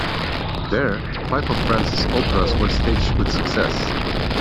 There, five of Franz's operas were staged with success.